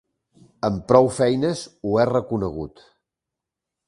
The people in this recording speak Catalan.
Amb prou feines ho he reconegut.